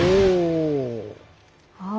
ああ。